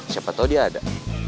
siapa tau dia ada